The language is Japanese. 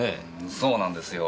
そうなんですよ。